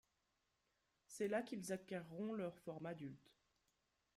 C’est là qu’ils acquerront leur forme adulte.